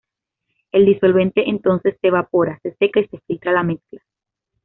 El disolvente entonces se evapora, se seca y se filtra la mezcla.